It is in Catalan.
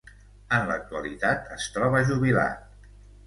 En l'actualitat es troba jubilat.